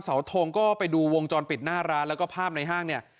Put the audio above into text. เสาทงก็ไปดูวงจรปิดหน้าร้านแล้วก็ภาพในห้างเนี่ย